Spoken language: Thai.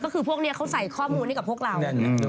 ก็คือพวกนี้เขาใส่ข้อมูลให้กับพวกเรา